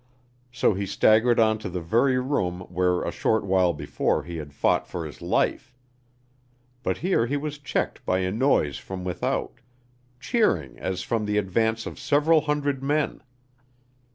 So he staggered on to the very room where a short while before he had fought for his life. But here he was checked by a noise from without cheering as from the advance of several hundred men.